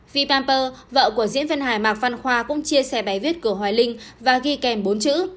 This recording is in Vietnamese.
vì pamper vợ của diễn viên hài mạc văn khoa cũng chia sẻ bài viết của hoài linh và ghi kèm bốn chữ